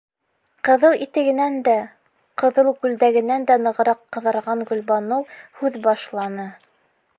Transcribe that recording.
Ҡыҙыл итегенән дә, ҡыҙыл күлдәгенән дә нығыраҡ ҡыҙарған Гөлбаныу һүҙ башланы: